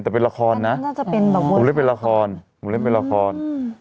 แต่เป็นละครนะผมเล่นเป็นละคร